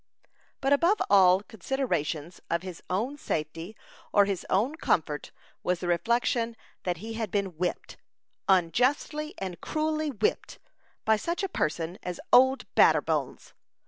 But above all considerations of his own safety or his own comfort was the reflection that he had been whipped unjustly and cruelly whipped by such a person as "Old Batterbones."